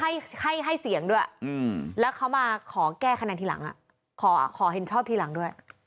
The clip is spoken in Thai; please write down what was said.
ให้ให้เสียงด้วยแล้วเขามาขอแก้คะแนนทีหลังขอเห็นชอบทีหลังด้วย